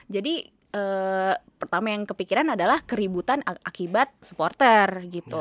pertama yang kepikiran adalah keributan akibat supporter gitu